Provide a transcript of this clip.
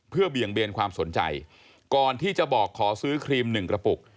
เพื่อเบี่ยงเบนความสนใจก่อนที่จะบอกขอซื้อครีมหนึ่งกระปุก